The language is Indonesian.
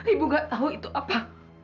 ibu gak tahu itu apa